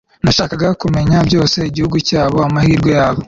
nashakaga kumenya byose, igihugu cyabo, amahirwe yabo